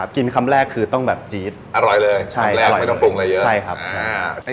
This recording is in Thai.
กินคำแรกคือต้องจี๊ดอร่อยเลยไม่ต้องปรุงอะไรเยอะ